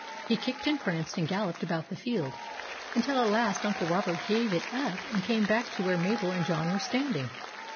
He kicked and pranced and galloped about the field, until at last Uncle Robert gave it up and came back to where Mabel and John were standing.